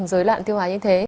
rối loạn tiêu hóa như thế